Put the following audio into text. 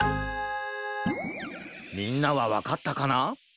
みんなはわかったかな？